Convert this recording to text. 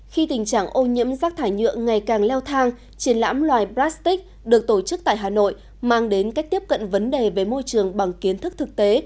khi tình trạng ô nhiễm rác thải nhựa ngày càng leo thang triển lãm loài plastic được tổ chức tại hà nội mang đến cách tiếp cận vấn đề về môi trường bằng kiến thức thực tế